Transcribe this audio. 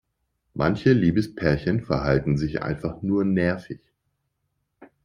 Manche Liebespärchen verhalten sich einfach nur nervig.